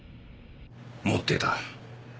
持ってた。